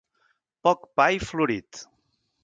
Poc pa i florit.